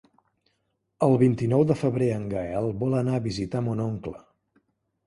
El vint-i-nou de febrer en Gaël vol anar a visitar mon oncle.